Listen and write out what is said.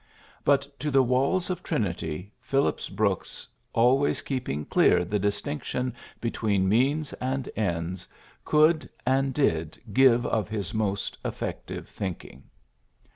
But to the walls of Trinity, Phillips Brooks, always keeping clear the distinction be tween means and ends, could and did give of his most effective thinking.